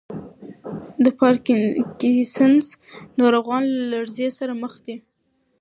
د پارکینسن ناروغان له لړزې سره مخ وي.